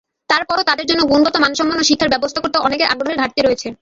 তারপরও তাদের জন্য গুণগত মানসম্পন্ন শিক্ষার ব্যবস্থা করতে অনেকের আগ্রহের ঘাটতি রয়েছে।